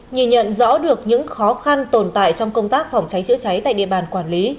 nhìn nhận rõ được những khó khăn tồn tại trong công tác phòng cháy chữa cháy tại địa bàn quản lý